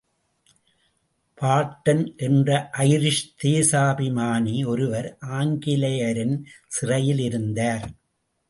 பார்ட்டன் என்ற ஐரிஷ் தேசாபிமானி ஒருவர் ஆங்கிலயரின் சிறையிலிருந்தார்.